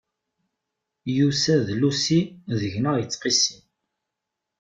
Yusa d llusi, deg-neɣ ittqissi.